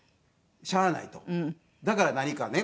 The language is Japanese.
だから何かね